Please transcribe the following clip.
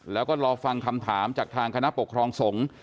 แล้วก็รอฟังคำถามจากทางคณะปกครองสงฆ์